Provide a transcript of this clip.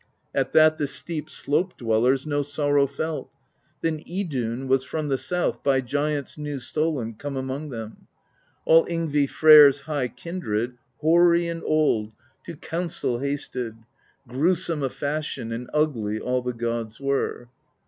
At that the steep slope dwellers No sorrow felt; then Idunn Was from the south, by giants New stolen, come among them. All Ingvi Freyr's high kindred. Hoary and old, to council THE POESY OF SKALDS 133 Hasted ; grewsome of fashion And ugly all the gods were.